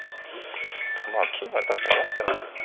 まあ金は確かに嫌な手なんだよな。